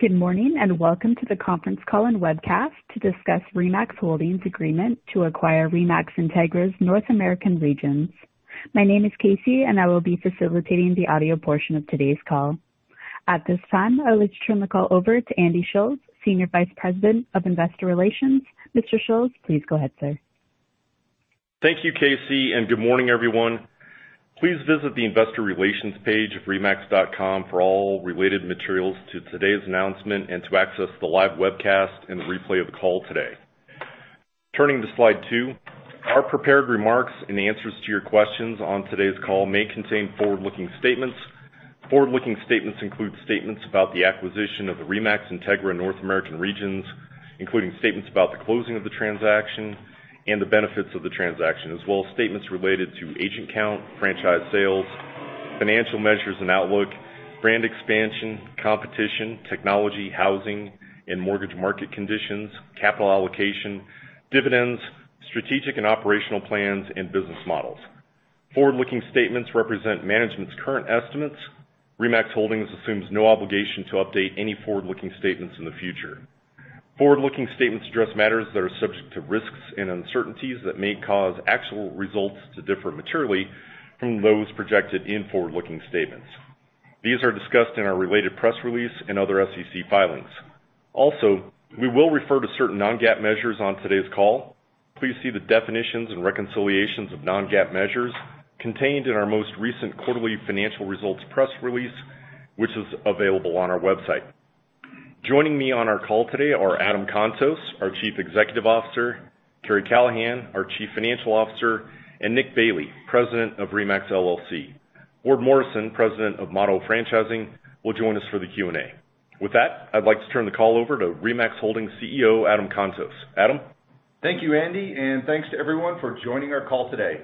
Good morning, and welcome to the conference call and webcast to discuss RE/MAX Holdings agreement to acquire RE/MAX Integra's North American regions. My name is Casey, and I will be facilitating the audio portion of today's call. At this time, I will turn the call over to Andy Schulz, Senior Vice President of Investor Relations. Mr. Schulz, please go ahead, sir. Thank you, Casey, and good morning, everyone. Please visit the investor relations page of remax.com for all related materials to today's announcement and to access the live webcast and replay of the call today. Turning to slide two. Our prepared remarks and answers to your questions on today's call may contain forward-looking statements. Forward-looking statements include statements about the acquisition of the RE/MAX Integra North American regions, including statements about the closing of the transaction and the benefits of the transaction, as well as statements related to agent count, franchise sales, financial measures and outlook, brand expansion, competition, technology, housing and mortgage market conditions, capital allocation, dividends, strategic and operational plans, and business models. Forward-looking statements represent management's current estimates. RE/MAX Holdings assumes no obligation to update any forward-looking statements in the future. Forward-looking statements address matters that are subject to risks and uncertainties that may cause actual results to differ materially from those projected in forward-looking statements. These are discussed in our related press release and other SEC filings. We will refer to certain non-GAAP measures on today's call. Please see the definitions and reconciliations of non-GAAP measures contained in our most recent quarterly financial results press release, which is available on our website. Joining me on our call today are Adam Contos, our Chief Executive Officer, Karri Callahan, our Chief Financial Officer, and Nick Bailey, President of RE/MAX LLC. Ward Morrison, President of Motto Franchising, will join us for the Q&A. I'd like to turn the call over to RE/MAX Holdings CEO, Adam Contos. Adam? Thank you, Andy. Thanks to everyone for joining our call today.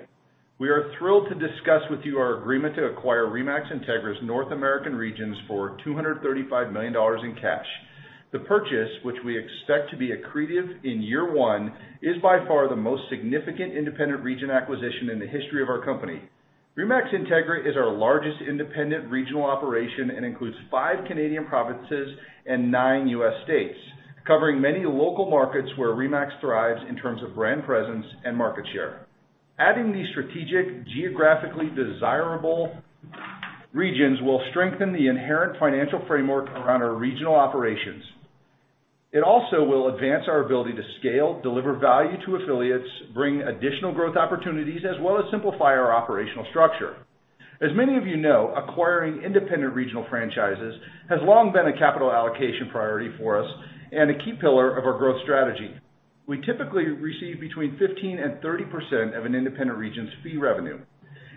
We are thrilled to discuss with you our agreement to acquire RE/MAX Integra's North American regions for $235 million in cash. The purchase, which we expect to be accretive in year one, is by far the most significant independent region acquisition in the history of our company. RE/MAX Integra is our largest independent regional operation and includes five Canadian provinces and nine U.S. states, covering many local markets where RE/MAX thrives in terms of brand presence and market share. Adding these strategic, geographically desirable regions will strengthen the inherent financial framework around our regional operations. It also will advance our ability to scale, deliver value to affiliates, bring additional growth opportunities, as well as simplify our operational structure. As many of you know, acquiring independent regional franchises has long been a capital allocation priority for us and a key pillar of our growth strategy. We typically receive between 15% and 30% of an independent region's fee revenue.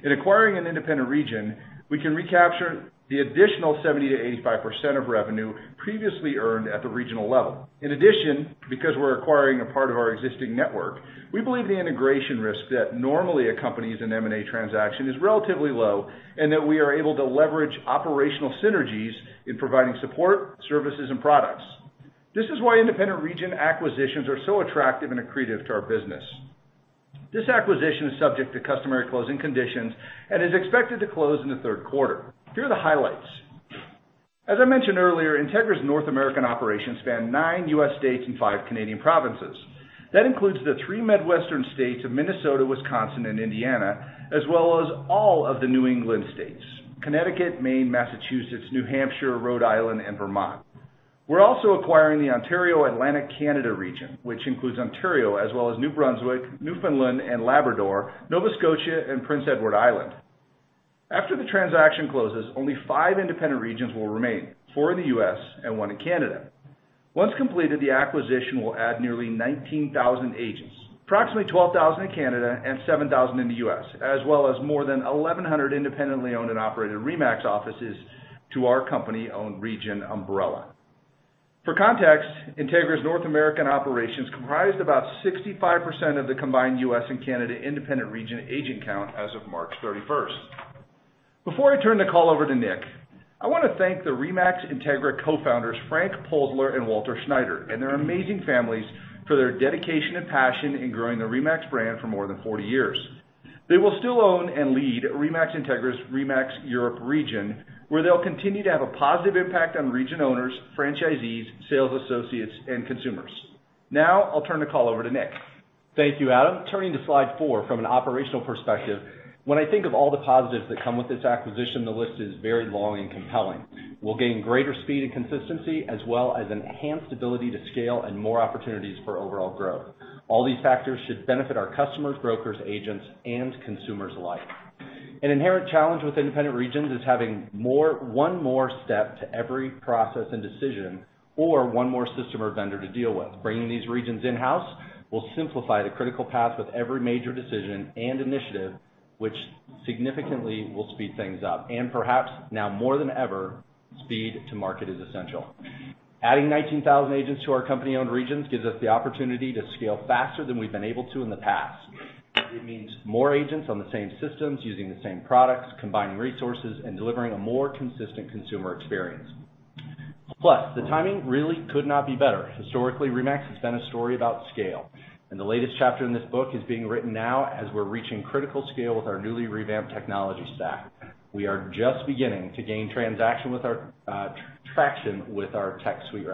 In acquiring an independent region, we can recapture the additional 70%-85% of revenue previously earned at the regional level. In addition, because we're acquiring a part of our existing network, we believe the integration risk that normally accompanies an M&A transaction is relatively low, and that we are able to leverage operational synergies in providing support, services, and products. This is why independent region acquisitions are so attractive and accretive to our business. This acquisition is subject to customary closing conditions and is expected to close in the third quarter. Here are the highlights. As I mentioned earlier, Integra's North American operations span nine U.S. states and five Canadian provinces. That includes the three Midwestern states of Minnesota, Wisconsin, and Indiana, as well as all of the New England states: Connecticut, Maine, Massachusetts, New Hampshire, Rhode Island, and Vermont. We're also acquiring the Ontario Atlantic Canada region, which includes Ontario as well as New Brunswick, Newfoundland and Labrador, Nova Scotia, and Prince Edward Island. After the transaction closes, only five independent regions will remain, four in the U.S. and one in Canada. Once completed, the acquisition will add nearly 19,000 agents, approximately 12,000 in Canada and 7,000 in the U.S., as well as more than 1,100 independently owned and operated RE/MAX offices to our company-owned region umbrella. For context, Integra's North American operations comprised about 65% of the combined U.S. and Canada independent region agent count as of March 31st. Before I turn the call over to Nick, I want to thank the RE/MAX Integra co-founders, Frank Polzler and Walter Schneider, and their amazing families for their dedication and passion in growing the RE/MAX brand for more than 40 years. They will still own and lead RE/MAX Integra's RE/MAX Europe region, where they'll continue to have a positive impact on region owners, franchisees, sales associates, and consumers. I'll turn the call over to Nick. Thank you, Adam. Turning to slide four, from an operational perspective, when I think of all the positives that come with this acquisition, the list is very long and compelling. We'll gain greater speed and consistency, as well as enhanced ability to scale and more opportunities for overall growth. All these factors should benefit our customers, brokers, agents, and consumers alike. An inherent challenge with independent regions is having one more step to every process and decision or one more system or vendor to deal with. Bringing these regions in-house will simplify the critical path of every major decision and initiative, which significantly will speed things up. Perhaps now more than ever, speed to market is essential. Adding 19,000 agents to our company-owned regions gives us the opportunity to scale faster than we've been able to in the past. It means more agents on the same systems using the same products, combining resources, and delivering a more consistent consumer experience. Plus, the timing really could not be better. Historically, RE/MAX has been a story about scale, and the latest chapter in this book is being written now as we're reaching critical scale with our newly revamped technology stack. We are just beginning to gain traction with our tech suite,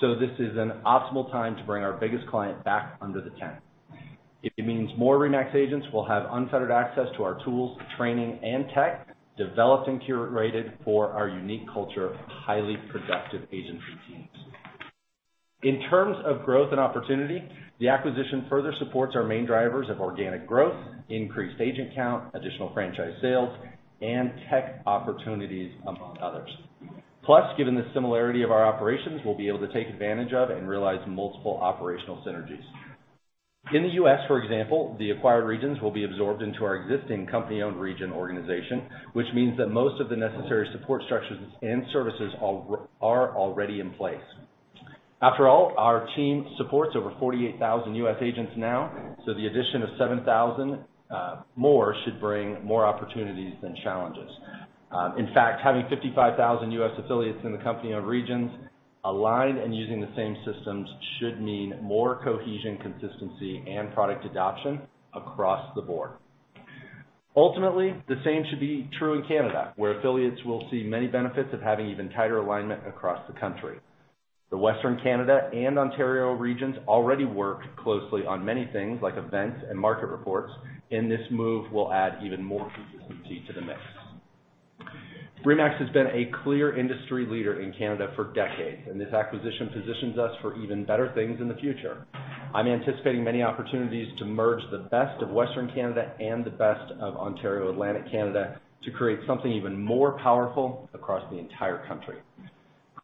so this is an optimal time to bring our biggest client back under the tent. It means more RE/MAX agents will have unfettered access to our tools, training, and tech, developed and curated for our unique culture of highly productive agency teams. In terms of growth and opportunity, the acquisition further supports our main drivers of organic growth, increased agent count, additional franchise sales, and tech opportunities, among others. Plus, given the similarity of our operations, we'll be able to take advantage of and realize multiple operational synergies. In the U.S., for example, the acquired regions will be absorbed into our existing company-owned region organization, which means that most of the necessary support structures and services are already in place. After all, our team supports over 48,000 U.S. agents now, so the addition of 7,000 more should bring more opportunities than challenges. In fact, having 55,000 U.S. affiliates in the company-owned regions aligned and using the same systems should mean more cohesion, consistency, and product adoption across the board. Ultimately, the same should be true in Canada, where affiliates will see many benefits of having even tighter alignment across the country. The Western Canada and Ontario regions already work closely on many things, like events and market reports, and this move will add even more consistency to the mix. RE/MAX has been a clear industry leader in Canada for decades, and this acquisition positions us for even better things in the future. I'm anticipating many opportunities to merge the best of Western Canada and the best of Ontario Atlantic Canada to create something even more powerful across the entire country.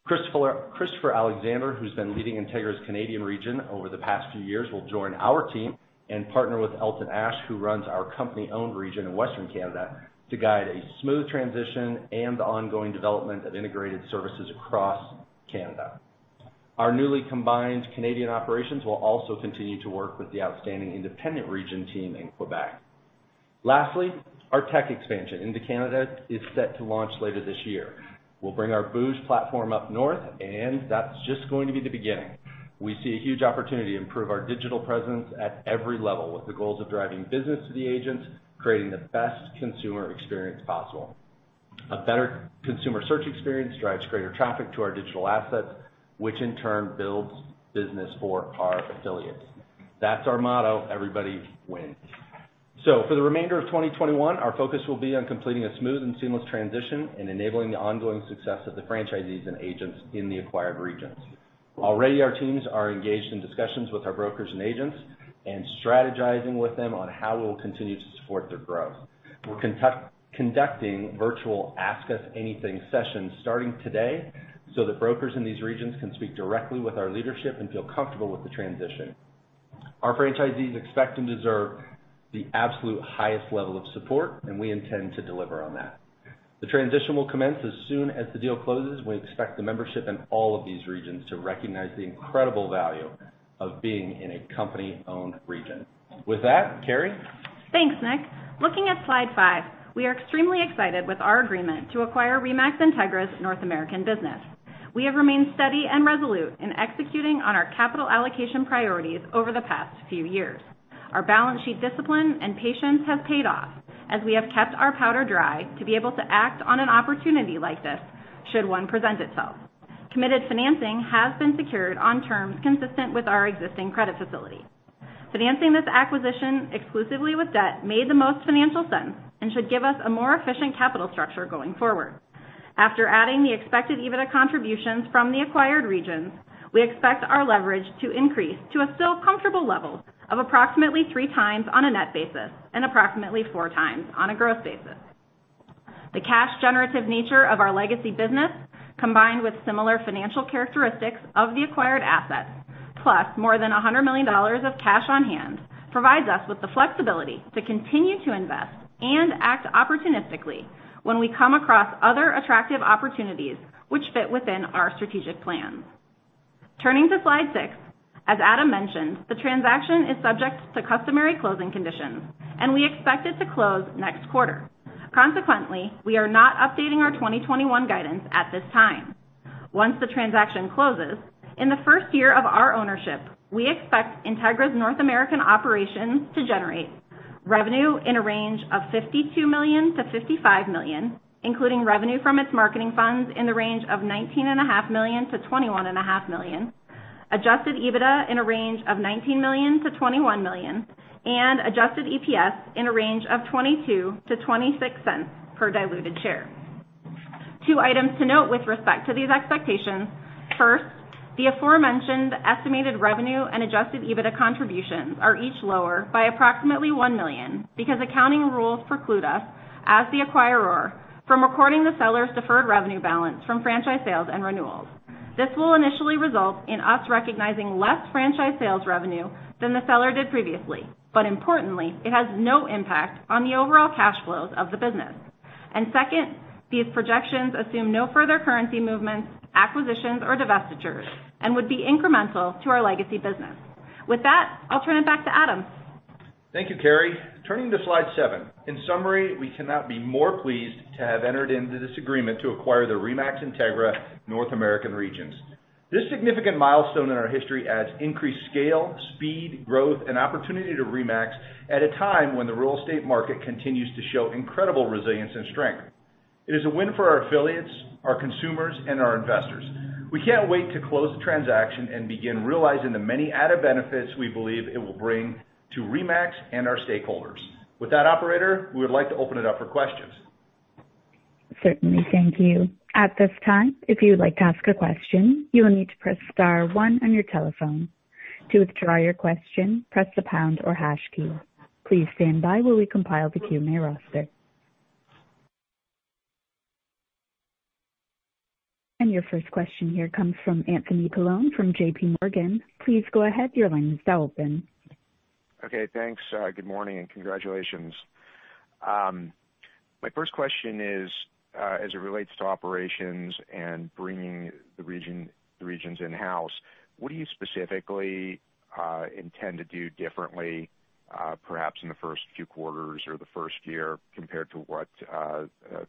Christopher Alexander, who's been leading Integra's Canadian region over the past few years, will join our team and partner with Elton Ash, who runs our company-owned region in Western Canada, to guide a smooth transition and ongoing development of integrated services across Canada. Our newly combined Canadian operations will also continue to work with the outstanding independent region team in Quebec. Lastly, our tech expansion into Canada is set to launch later this year. We'll bring our booj platform up north, and that's just going to be the beginning. We see a huge opportunity to improve our digital presence at every level, with the goals of driving business to the agents, creating the best consumer experience possible. A better consumer search experience drives greater traffic to our digital assets, which in turn builds business for our affiliates. That's our motto, everybody wins. For the remainder of 2021, our focus will be on completing a smooth and seamless transition and enabling the ongoing success of the franchisees and agents in the acquired regions. Already, our teams are engaged in discussions with our brokers and agents and strategizing with them on how we'll continue to support their growth. We're conducting virtual ask-us-anything sessions starting today so that brokers in these regions can speak directly with our leadership and feel comfortable with the transition. Our franchisees expect and deserve the absolute highest level of support, and we intend to deliver on that. The transition will commence as soon as the deal closes, and we expect the membership in all of these regions to recognize the incredible value of being in a company-owned region. With that, Karri? Thanks, Nick. Looking at slide five, we are extremely excited with our agreement to acquire RE/MAX Integra's North American business. We have remained steady and resolute in executing on our capital allocation priorities over the past few years. Our balance sheet discipline and patience have paid off, as we have kept our powder dry to be able to act on an opportunity like this should one present itself. Committed financing has been secured on terms consistent with our existing credit facility. Financing this acquisition exclusively with debt made the most financial sense and should give us a more efficient capital structure going forward. After adding the expected EBITDA contributions from the acquired regions, we expect our leverage to increase to a still comfortable level of approximately three times on a net basis and approximately four times on a gross basis. The cash-generative nature of our legacy business, combined with similar financial characteristics of the acquired assets, plus more than $100 million of cash on hand, provides us with the flexibility to continue to invest and act opportunistically when we come across other attractive opportunities which fit within our strategic plans. Turning to slide six. As Adam mentioned, the transaction is subject to customary closing conditions, and we expect it to close next quarter. Consequently, we are not updating our 2021 guidance at this time. Once the transaction closes, in the first year of our ownership, we expect Integra's North American operations to generate revenue in a range of $52 million-$55 million, including revenue from its marketing funds in the range of $19.5 million-$21.5 million, adjusted EBITDA in a range of $19 million-$21 million, and adjusted EPS in a range of $0.22-$0.26 per diluted share. Two items to note with respect to these expectations. First, the aforementioned estimated revenue and adjusted EBITDA contributions are each lower by approximately $1 million because accounting rules preclude us, as the acquirer, from recording the seller's deferred revenue balance from franchise sales and renewals. This will initially result in us recognizing less franchise sales revenue than the seller did previously. Importantly, it has no impact on the overall cash flows of the business. Second, these projections assume no further currency movements, acquisitions, or divestitures and would be incremental to our legacy business. With that, I'll turn it back to Adam. Thank you, Karri. Turning to slide seven. In summary, we cannot be more pleased to have entered into this agreement to acquire the RE/MAX Integra North American regions. This significant milestone in our history adds increased scale, speed, growth, and opportunity to RE/MAX at a time when the real estate market continues to show incredible resilience and strength. It is a win for our affiliates, our consumers, and our investors. We can't wait to close the transaction and begin realizing the many added benefits we believe it will bring to RE/MAX and our stakeholders. With that, operator, we would like to open it up for questions. Certainly. Thank you. At this time, if you'd like to ask a question, you'll need to press star one on your telephone. To withdraw your question press the pound or hash key. Please stand by while we compile the duty roster. Your first question here comes from Anthony Paolone from JPMorgan. Please go ahead. Your line is now open. Okay, thanks. Good morning, and congratulations. My first question is, as it relates to operations and bringing the regions in-house, what do you specifically intend to do differently, perhaps in the first few quarters or the first year compared to what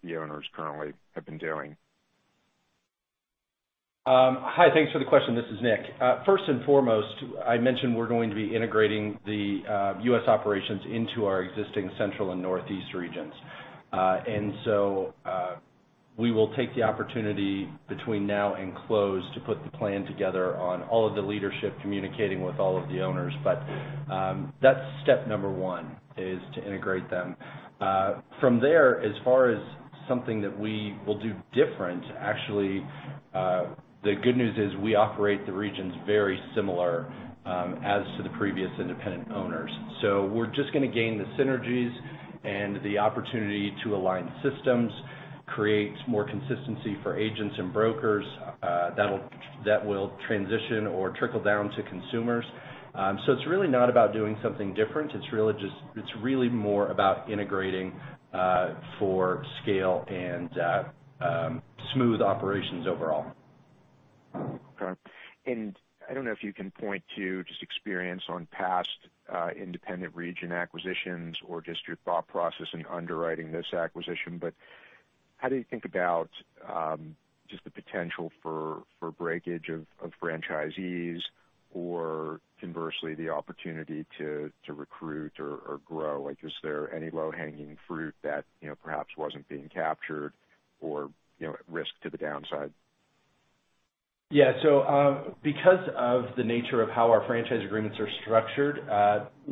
the owners currently have been doing? Hi. Thanks for the question. This is Nick. First and foremost, I mentioned we're going to be integrating the U.S. operations into our existing Central and Northeast regions. We will take the opportunity between now and close to put the plan together on all of the leadership communicating with all of the owners. That's step number one, is to integrate them. From there, as far as something that we will do different, actually, the good news is we operate the regions very similar as to the previous independent owners. We're just going to gain the synergies and the opportunity to align systems, create more consistency for agents and brokers that will transition or trickle down to consumers. It's really not about doing something different. It's really more about integrating for scale and smooth operations overall. I don't know if you can point to just experience on past independent region acquisitions or just your thought process in underwriting this acquisition, but how do you think about just the potential for breakage of franchisees or conversely, the opportunity to recruit or grow? Is there any low-hanging fruit that perhaps wasn't being captured or at risk to the downside? Because of the nature of how our franchise agreements are structured,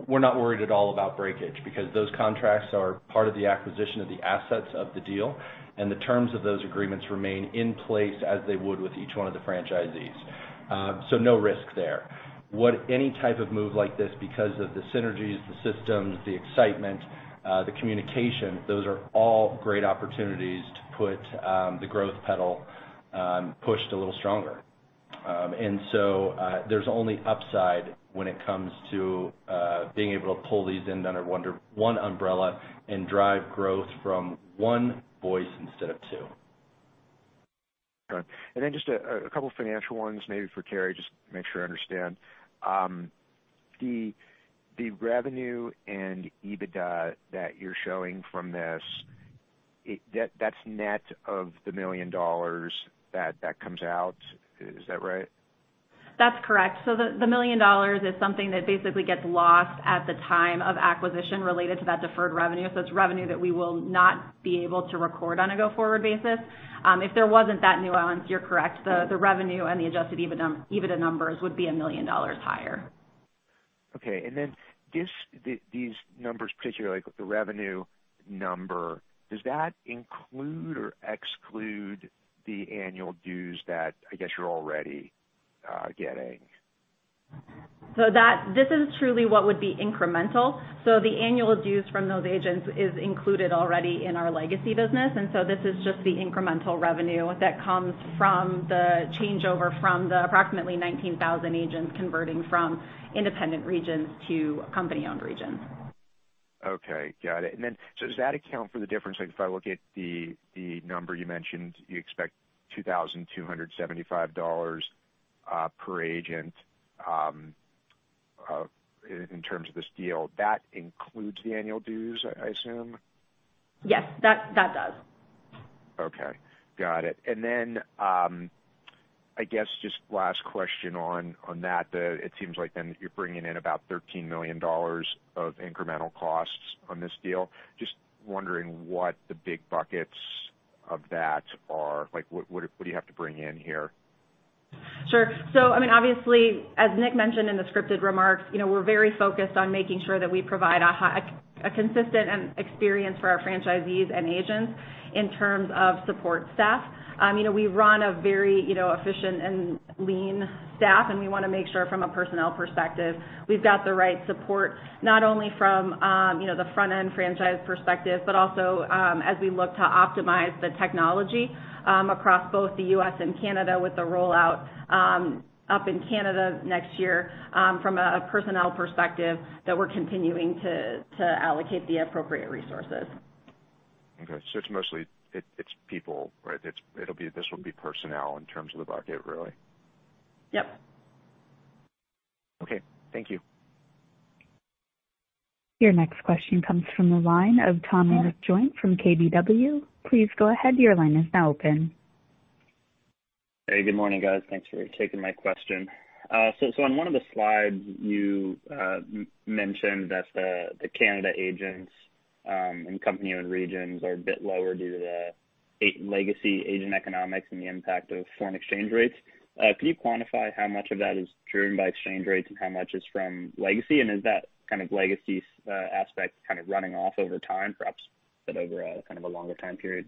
we're not worried at all about breakage because those contracts are part of the acquisition of the assets of the deal, and the terms of those agreements remain in place as they would with each one of the franchisees. No risk there. Any type of move like this because of the synergies, the systems, the excitement, the communication, those are all great opportunities to put the growth pedal pushed a little stronger. There's only upside when it comes to being able to pull these in under one umbrella and drive growth from one voice instead of two. Okay. Just a couple financial ones, maybe for Karri Callahan, just to make sure I understand. The revenue and EBITDA that you're showing from this, that's net of the $1 million that comes out, is that right? That's correct. The $1 million is something that basically gets lost at the time of acquisition related to that deferred revenue. It's revenue that we will not be able to record on a go-forward basis. If there wasn't that nuance, you're correct. The revenue and the adjusted EBITDA numbers would be $1 million higher. Okay. These numbers particularly like the revenue number, does that include or exclude the annual dues that I guess you're already getting? This is truly what would be incremental. The annual dues from those agents is included already in our legacy business, and so this is just the incremental revenue that comes from the changeover from the approximately 19,000 agents converting from independent regions to company-owned regions. Okay. Got it. Does that account for the difference, like if I look at the number you mentioned, you expect $2,275 per agent in terms of this deal. That includes the annual dues, I assume? Yes, that does. Okay. Got it. I guess just last question on that. It seems like then that you're bringing in about $13 million of incremental costs on this deal. Just wondering what the big buckets of that are. What do you have to bring in here? Sure. Obviously, as Nick mentioned in the scripted remarks, we're very focused on making sure that we provide a consistent experience for our franchisees and agents in terms of support staff. We run a very efficient and lean staff, and we want to make sure from a personnel perspective, we've got the right support, not only from the front-end franchise perspective, but also as we look to optimize the technology across both the U.S. and Canada with the rollout up in Canada next year from a personnel perspective that we're continuing to allocate the appropriate resources. Okay. It's mostly people, right? This will be personnel in terms of the bucket, really? Yep. Okay. Thank you. Your next question comes from the line of Ryan Tomasello from KBW. Please go ahead. Your line is now open. Hey, good morning, guys. Thanks for taking my question. On one of the slides, you mentioned that the Canada agents and company-owned regions are a bit lower due to the legacy agent economics and the impact of foreign exchange rates. Can you quantify how much of that is driven by exchange rates and how much is from legacy? Is that legacy aspect running off over time, perhaps over a longer time period?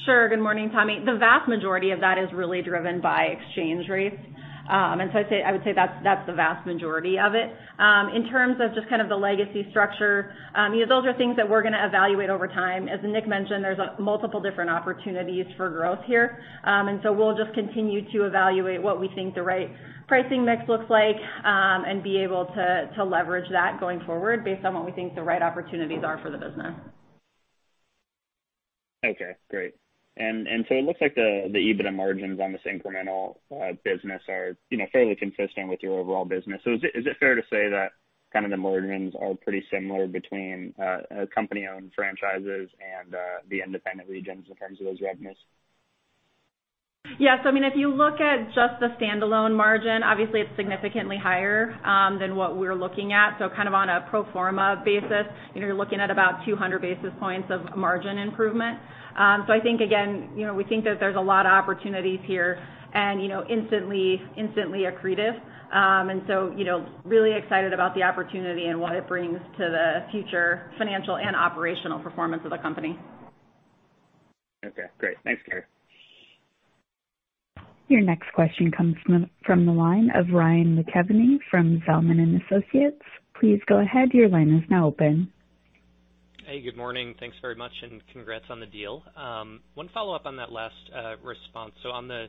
Sure. Good morning, Tommy. The vast majority of that is really driven by exchange rates. I would say that's the vast majority of it. In terms of just the legacy structure, those are things that we're going to evaluate over time. As Nick mentioned, there's multiple different opportunities for growth here. We'll just continue to evaluate what we think the right pricing mix looks like and be able to leverage that going forward based on what we think the right opportunities are for the business. Okay, great. It looks like the EBITDA margins on this incremental business are fairly consistent with your overall business. Is it fair to say that the margins all pretty similar between company-owned franchises and the independent regions in terms of those revenues? Yes. If you look at just the standalone margin, obviously it's significantly higher than what we're looking at. On a pro forma basis, you're looking at about 200 basis points of margin improvement. I think, again, we think that there's a lot of opportunities here and instantly accretive. Really excited about the opportunity and what it brings to the future financial and operational performance of the company. Okay, great. Thanks, Karri. Your next question comes from the line of Ryan McKeveny from Zelman & Associates. Please go ahead. Your line is now open. Hey, good morning. Thanks very much, and congrats on the deal. One follow-up on that last response. On the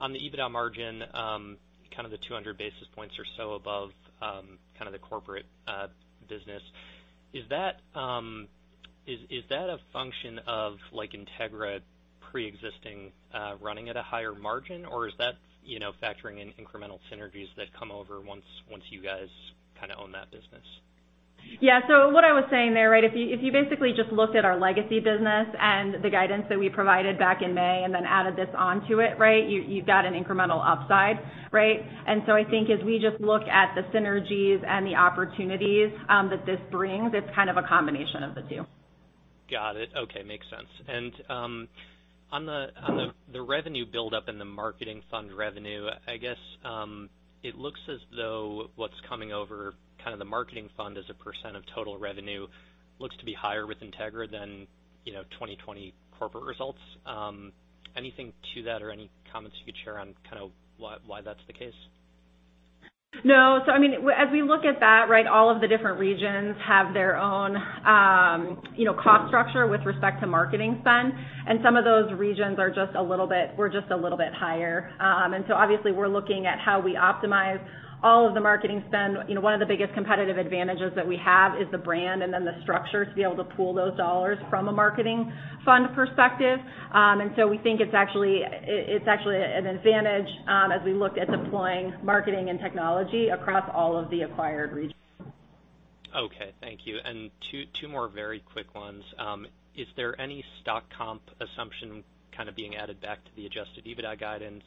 EBITDA margin, the 200 basis points or so above the corporate business. Is that a function of Integra preexisting running at a higher margin, or is that factoring in incremental synergies that come over once you guys own that business? Yeah. What I was saying there, if you basically just looked at our legacy business and the guidance that we provided back in May and then added this onto it, you've got an incremental upside, right? I think as we just look at the synergies and the opportunities that this brings, it's kind of a combination of the two. Got it. Okay, makes sense. On the revenue buildup in the marketing fund revenue, I guess it looks as though what's coming over, the marketing fund as a percent of total revenue looks to be higher with Integra than 2020 corporate results. Anything to that or any comments you could share on why that's the case? No. As we look at that, all of the different regions have their own cost structure with respect to marketing spend, and some of those regions we're just a little bit higher. Obviously we're looking at how we optimize all of the marketing spend. One of the biggest competitive advantages that we have is the brand and then the structure to be able to pool those dollars from a marketing spend perspective. We think it's actually an advantage as we look at deploying marketing and technology across all of the acquired regions. Okay, thank you. Two more very quick ones. Is there any stock comp assumption being added back to the adjusted EBITDA guidance?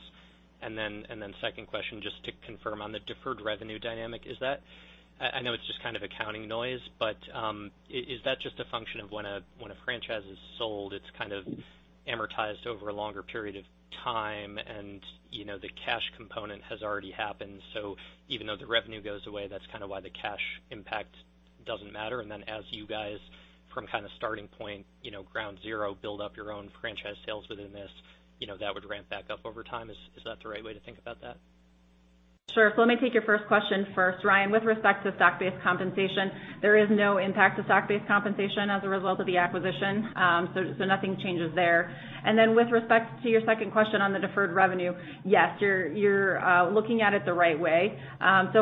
Second question, just to confirm on the deferred revenue dynamic. I know it's just accounting noise, but is that just a function of when a franchise is sold, it's amortized over a longer period of time and the cash component has already happened. Even though the revenue goes away, that's kind of why the cash impact doesn't matter. As you guys from starting point, ground zero, build up your own franchise sales within this, that would ramp back up over time. Is that the right way to think about that? Sure. Let me take your first question first, Ryan. With respect to stock-based compensation, there is no impact to stock-based compensation as a result of the acquisition. Nothing changes there. With respect to your second question on the deferred revenue, yes, you are looking at it the right way.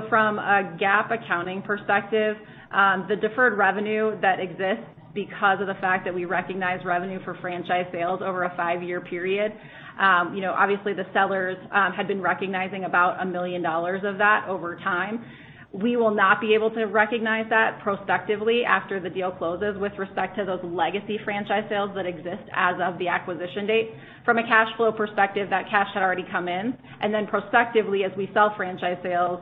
From a GAAP accounting perspective, the deferred revenue that exists because of the fact that we recognize revenue for franchise sales over a five-year period. Obviously the sellers had been recognizing about $1 million of that over time. We will not be able to recognize that prospectively after the deal closes with respect to those legacy franchise sales that exist as of the acquisition date. From a cash flow perspective, that cash had already come in. Prospectively, as we sell franchise sales,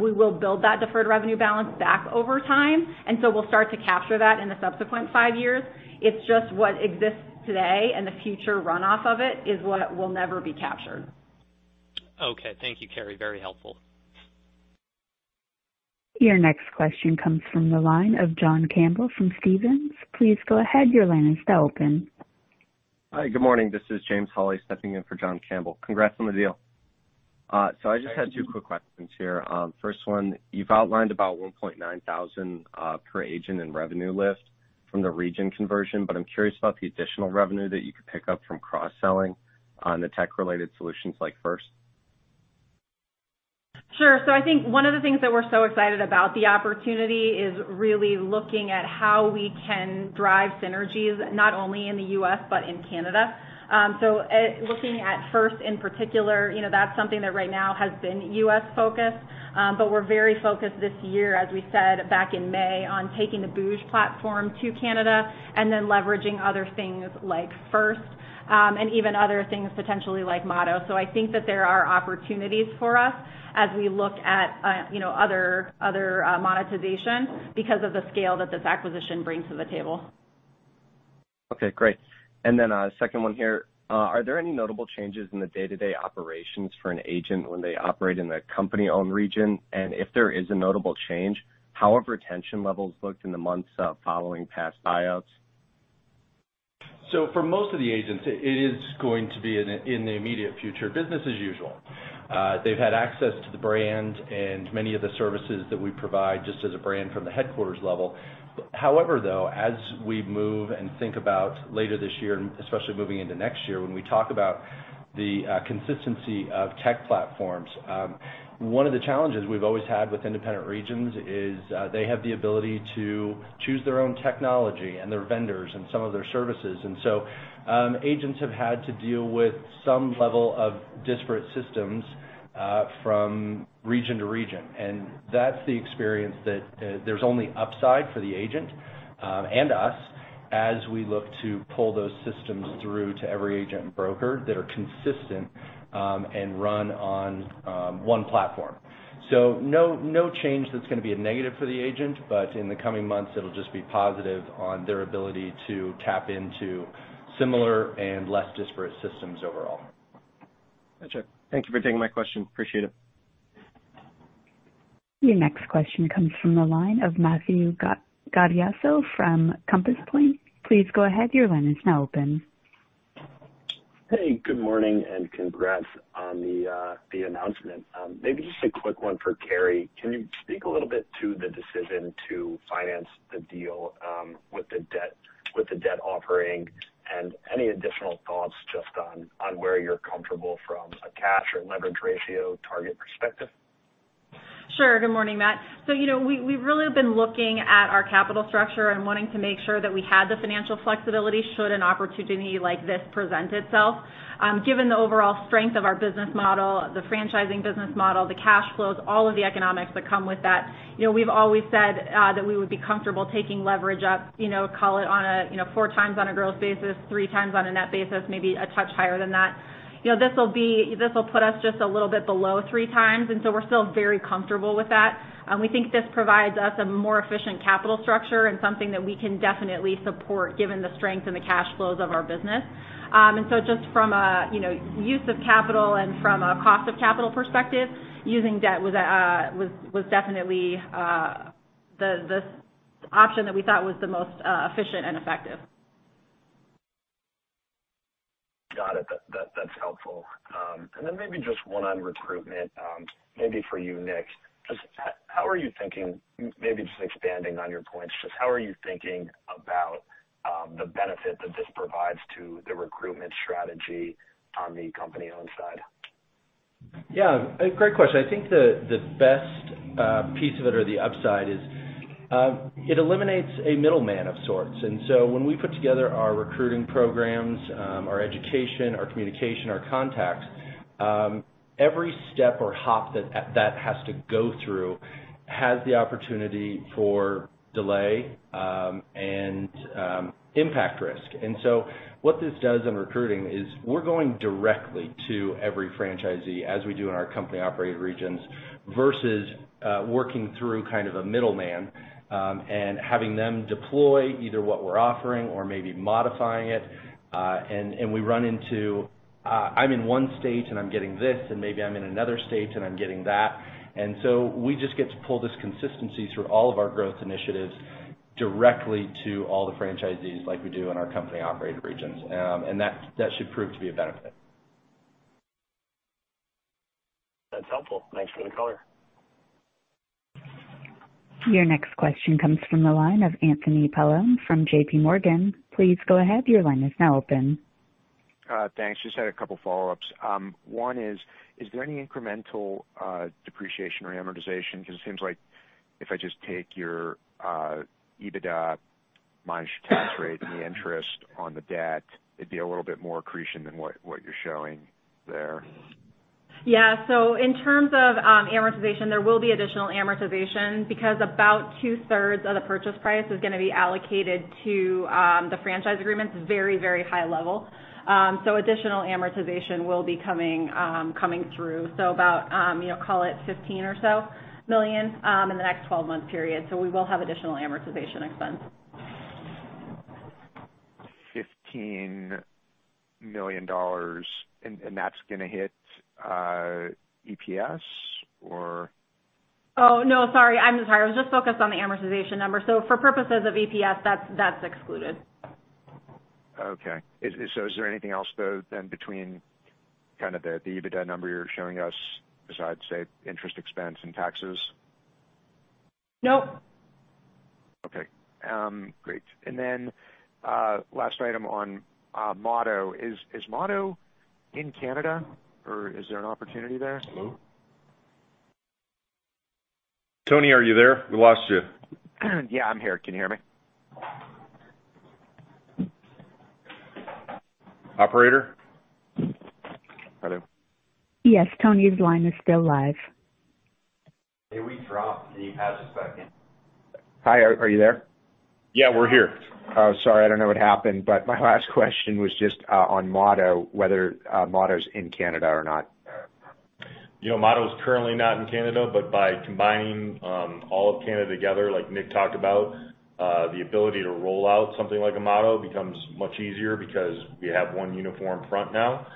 we will build that deferred revenue balance back over time. We'll start to capture that in the subsequent five years. It's just what exists today and the future runoff of it is what will never be captured. Okay. Thank you, Karri. Very helpful. Your next question comes from the line of John Campbell from Stephens. Please go ahead. Hi, good morning. This is James Holly stepping in for John Campbell. Congrats on the deal. I just had two quick questions here. First one, you've outlined about $1,900 per agent in revenue lift from the region conversion, but I'm curious about the additional revenue that you could pick up from cross-selling the tech-related solutions like First. Sure. I think one of the things that we're so excited about the opportunity is really looking at how we can drive synergies not only in the U.S. but in Canada. Looking at First in particular, that's something that right now has been U.S.-focused. We're very focused this year, as we said back in May, on taking the booj platform to Canada and then leveraging other things like First and even other things potentially like Motto. I think that there are opportunities for us as we look at other monetization because of the scale that this acquisition brings to the table. Okay, great. A second one here. Are there any notable changes in the day-to-day operations for an agent when they operate in a company-owned region? If there is a notable change, how have retention levels looked in the months following past IOs? For most of the agents, it is going to be, in the immediate future, business as usual. They've had access to the brand and many of the services that we provide just as a brand from the headquarters level. However, though, as we move and think about later this year, and especially moving into next year, when we talk about the consistency of tech platforms, one of the challenges we've always had with independent regions is they have the ability to choose their own technology and their vendors and some of their services. Agents have had to deal with some level of disparate systems from region to region. That's the experience that there's only upside for the agent, and us, as we look to pull those systems through to every agent and broker that are consistent and run on one platform. No change that's going to be a negative for the agent, but in the coming months, it'll just be positive on their ability to tap into similar and less disparate systems overall. Gotcha. Thank you for taking my question. Appreciate it. Your next question comes from the line of Matthew Gaudioso from Compass Point. Please go ahead. Your line is now open. Hey, good morning, and congrats on the announcement. Maybe just a quick one for Karri. Can you speak a little bit to the decision to finance the deal with the debt offering and any additional thoughts just on where you're comfortable from a cash or leverage ratio target perspective? Sure. Good morning, Matt. We've really been looking at our capital structure and wanting to make sure that we had the financial flexibility should an opportunity like this present itself. Given the overall strength of our business model, the franchising business model, the cash flows, all of the economics that come with that, we've always said that we would be comfortable taking leverage up, call it on four times on a gross basis, three times on a net basis, maybe a touch higher than that. This will put us just a little bit below three times, and so we're still very comfortable with that. We think this provides us a more efficient capital structure and something that we can definitely support given the strength and the cash flows of our business. Just from a use of capital and from a cost of capital perspective, using debt was definitely the option that we thought was the most efficient and effective. Got it. That's helpful. Then maybe just one on recruitment, maybe for you, Nick. Maybe just expanding on your points, just how are you thinking about the benefit that this provides to the recruitment strategy on the company-owned side? Great question. I think the best piece of it or the upside is it eliminates a middleman of sorts. When we put together our recruiting programs, our education, our communication, our contacts, every step or hop that has to go through has the opportunity for delay and impact risk. What this does in recruiting is we're going directly to every franchisee, as we do in our company-operated regions, versus working through kind of a middleman and having them deploy either what we're offering or maybe modifying it. We run into, I'm in one state, and I'm getting this, and maybe I'm in another state and I'm getting that. We just get to pull this consistency through all of our growth initiatives directly to all the franchisees like we do in our company-operated regions. That should prove to be a benefit. That's helpful. Thanks for the color. Your next question comes from the line of Anthony Paolone from JPMorgan. Please go ahead. Your line is now open. Thanks. Just had a couple follow-ups. One is there any incremental depreciation or amortization? Because it seems like if I just take your EBITDA minus tax rate and the interest on the debt, it'd be a little bit more accretion than what you're showing there. In terms of amortization, there will be additional amortization because about 2/3 of the purchase price is going to be allocated to the franchise agreements very, very high level. Additional amortization will be coming through. About, call it $15 million or so in the next 12-month period. We will have additional amortization expense. $15 million, that's going to hit EPS or? Oh, no, sorry. I'm sorry. I was just focused on the amortization number. For purposes of EPS, that's excluded. Okay. Is there anything else though then between kind of the EBITDA number you're showing us besides, say, interest expense and taxes? Nope. Okay. Great. Last item on Motto. Is Motto in Canada, or is there an opportunity there? Hello? Tony, are you there? We lost you. Yeah, I'm here. Can you hear me? Operator? Hello. Yes, Tony's line is still live. Hey, we dropped you half a second. Hi, are you there? Yeah, we're here. Oh, sorry. I don't know what happened, but my last question was just on Motto, whether Motto's in Canada or not. Motto is currently not in Canada, by combining all of Canada together, like Nick talked about, the ability to roll out something like a Motto becomes much easier because we have one uniform front now.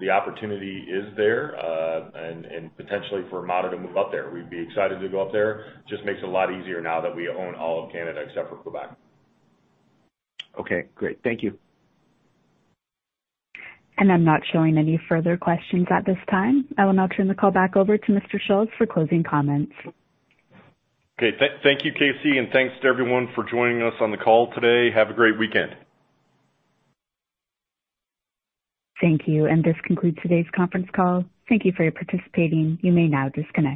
The opportunity is there, and potentially for Motto to move up there. We'd be excited to go up there. Just makes it a lot easier now that we own all of Canada except for Quebec. Okay, great. Thank you. I'm not showing any further questions at this time. I will now turn the call back over to Mr. Schulz for closing comments. Okay. Thank you, Casey, and thanks to everyone for joining us on the call today. Have a great weekend. Thank you. This concludes today's conference call. Thank you for participating. You may now disconnect.